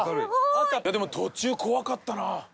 でも途中怖かったな。